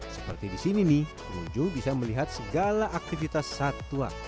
seperti di sini nih pengunjung bisa melihat segala aktivitas satwa